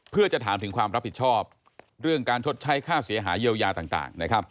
เพื่อจะถามถึงความรับผิดชอบเรื่องการชดใช้ค่าเสียหายเยียวยาต่าง